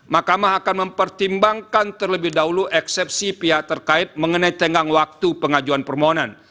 mahkamah akan mempertimbangkan terlebih dahulu eksepsi pihak terkait mengenai tenggang waktu pengajuan permohonan